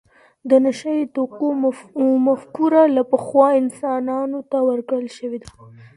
د نشه یې توکو مفکوره له پخوا انسانانو ته ورکړل شوې ده.